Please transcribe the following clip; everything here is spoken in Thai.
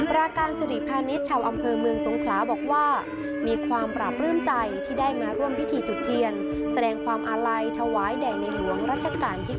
ราการสิริพาณิชย์ชาวอำเภอเมืองสงขลาบอกว่ามีความปราบลื้มใจที่ได้มาร่วมพิธีจุดเทียนแสดงความอาลัยถวายแด่ในหลวงรัชกาลที่๙